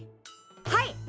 はい！